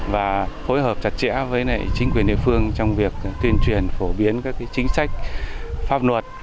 và phối hợp chặt chẽ với chính quyền địa phương trong việc tuyên truyền phổ biến các chính sách pháp luật